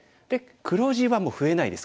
黒地はもう増えないです